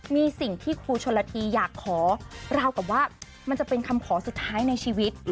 มีสิ่งที่ครูชนละทีอยากขอราวกับว่ามันจะเป็นคำขอสุดท้ายในชีวิต